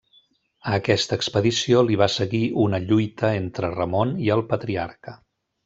A aquesta expedició li va seguir una lluita entre Ramon i el Patriarca.